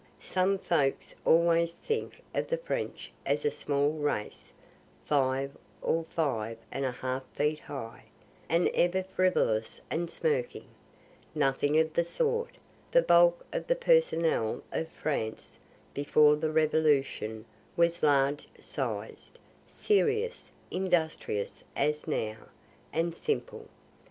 Some folks always think of the French as a small race, five or five and a half feet high, and ever frivolous and smirking. Nothing of the sort. The bulk of the personnel of France, before the revolution, was large sized, serious, industrious as now, and simple.